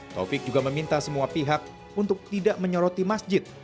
taufik juga meminta semua pihak untuk tidak menyoroti masjid